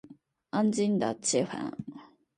安静的气氛